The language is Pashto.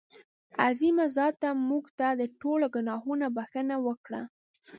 عظیمه ذاته مونږ ته د ټولو ګناهونو بښنه وکړه.